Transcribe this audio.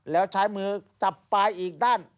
แล้วใช้มือจับปลายอีกด้าน